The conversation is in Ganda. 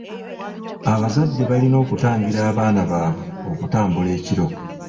Abazadde balina okutangira abaana baabwe okutambula ekiro.